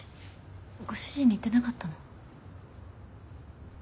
ご主人に言ってなかったの？